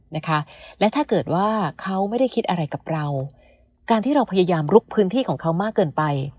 หรือว่าเขาไม่ได้คิดอะไรกับเราการที่เราพยายามลุกพื้นที่ของเขามากเกินไป